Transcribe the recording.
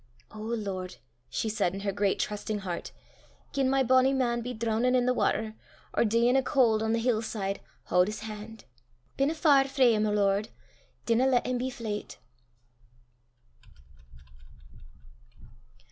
"O Lord," she said in her great trusting heart, "gien my bonnie man be droonin' i' the watter, or deein' o' caul' on the hill side, haud 's han'. Binna far frae him, O Lord; dinna lat him be fleyt."